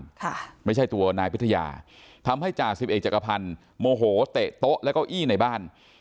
ค่ะไม่ใช่ตัวนายพิทยาทำให้จ่าสิบเอกจักรพันธ์โมโหเตะโต๊ะและเก้าอี้ในบ้าน